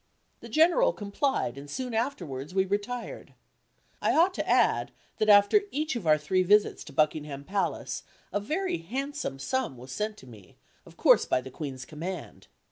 The General complied, and soon afterwards we retired. I ought to add, that after each of our three visits to Buckingham Palace, a very handsome sum was sent to me, of course by the Queen's command.